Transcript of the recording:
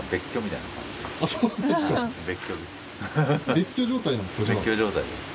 別居状態なんですか？